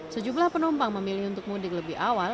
sejumlah penumpang memilih untuk mudik lebih awal